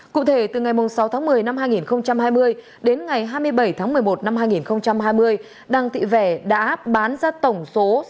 cụ thể từ ngày sáu tháng một mươi năm hai nghìn hai mươi đến ngày hai mươi bảy tháng một mươi một năm hai nghìn hai mươi đặng thị vẻ đã bán ra tổng số